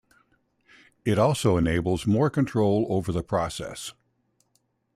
It also enables more control over the process.